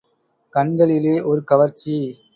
கண்களிலே ஒரு கவர்ச்சி.